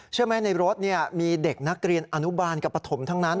เชื่อไหมในรถมีเด็กนักเรียนอนุบาลกับปฐมทั้งนั้น